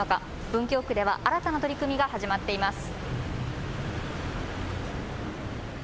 文京区では新たな取り組みが始まっています。